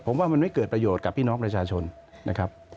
ผมว่ามันไม่เกิดประโยชน์กับพี่น้องประชาชนนะครับ